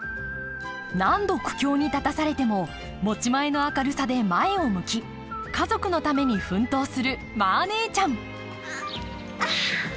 何度苦境に立たされても持ち前の明るさで前を向き家族のために奮闘するマー姉ちゃんあ！